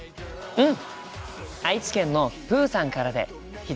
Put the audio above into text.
うん！